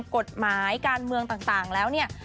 กฎหมายการเมืองต่างแล้วเนี่ย